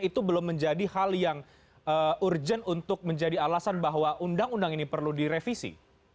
itu belum menjadi hal yang urgent untuk menjadi alasan bahwa undang undang ini perlu direvisi